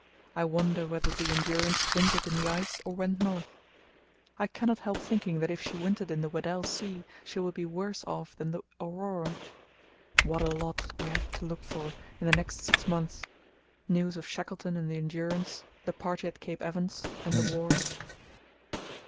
I wonder whether the Endurance wintered in the ice or went north. I cannot help thinking that if she wintered in the Weddell Sea she will be worse off than the Aurora. What a lot we have to look for in the next six months—news of Shackleton and the Endurance, the party at Cape Evans, and the war.